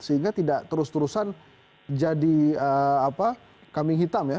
sehingga tidak terus terusan jadi apa kaming hitam ya